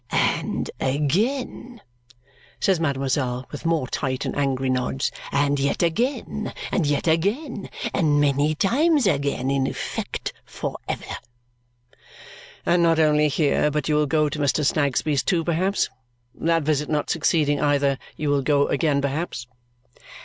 "And again," says mademoiselle with more tight and angry nods. "And yet again. And yet again. And many times again. In effect, for ever!" "And not only here, but you will go to Mr. Snagsby's too, perhaps? That visit not succeeding either, you will go again perhaps?"